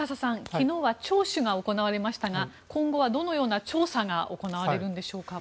昨日は聴取が行われましたが今後はどのような調査が行われるのでしょうか。